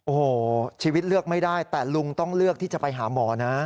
โอ้โหชีวิตเลือกไม่ได้แต่ลุงต้องเลือกที่จะไปหาหมอนะ